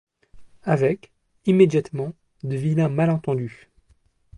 Avec, immédiatement, de vilains malentendus.